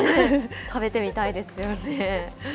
食べてみたいですよね。